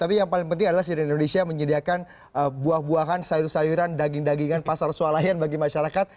tapi yang paling penting adalah siren indonesia menyediakan buah buahan sayur sayuran daging dagingan pasar sualayan bagi masyarakat